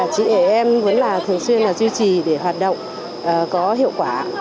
chị em vẫn thường xuyên duy trì để hoạt động có hiệu quả